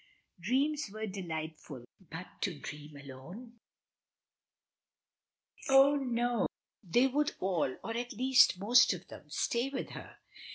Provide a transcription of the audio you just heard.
"Dreams were delightful; but to dream alone " "Oh, no; they would all, or at least most of them, stay with her."